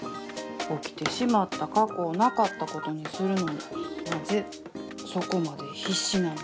起きてしまった過去をなかったことにするのになぜそこまで必死なんでしょう。